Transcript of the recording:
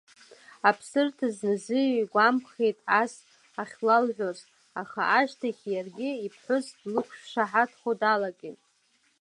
Аԥсырҭ зназы игәамԥхеит ас ахьлалҳәоз, аха ашьҭахь иаргьы иԥҳәыс длықәшаҳаҭхо далагеит.